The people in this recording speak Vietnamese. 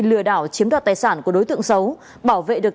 lừa đảo chiếm đoạt tài sản của đối tượng xấu bảo vệ được